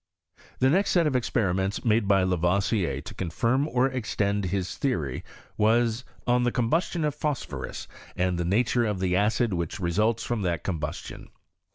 The next set of esperimenta made by Lavoisier to confirm or extend his theory, was " On the Combus tion of Phosphorus, and the Nature of the Acid which results from that Combustion."